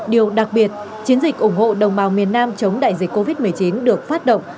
điều đặc biệt chiến dịch ủng hộ đồng bào miền nam chống đại dịch covid một mươi chín được phát động